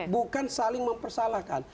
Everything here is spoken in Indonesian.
bukan saling mempersalahkan